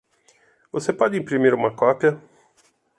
Você pode imprimir uma cópia?